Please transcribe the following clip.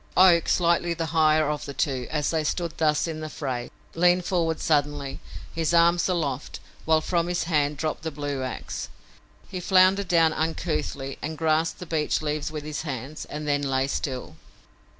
Oak, slightly the higher of the two, as they stood thus in the fray, leaned forward suddenly, his arms aloft, while from his hand dropped the blue ax. He floundered down uncouthly and grasped the beech leaves with his hands, and then lay still.